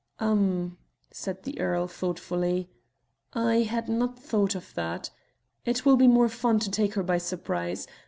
"Um," said the earl, thoughtfully, "I had not thought of that. It will be more fun to take her by surprise.